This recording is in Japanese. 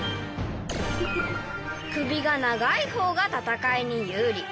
首が長いほうが戦いに有利。